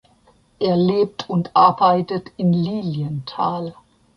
Er lebt und arbeitet in Lilienthal.